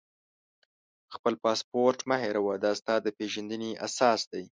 خپل پاسپورټ مه هېروه، دا ستا د پېژندنې اساس دی.